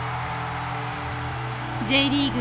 Ｊリーグ